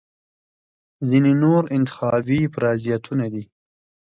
ځینې نور انتخابي پرازیتونه دي.